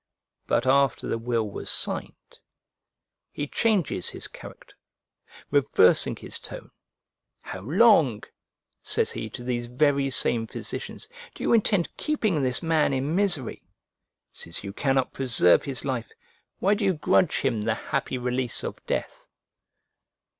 But after the will was signed, he changes his character, reversing his tone: "How long," says he to these very same physicians, "do you intend keeping this man in misery? Since you cannot preserve his life, why do you grudge him the happy release of death?"